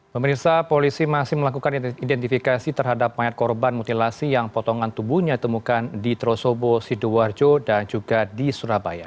pemirsa polisi masih melakukan identifikasi terhadap mayat korban mutilasi yang potongan tubuhnya ditemukan di trosobo sidoarjo dan juga di surabaya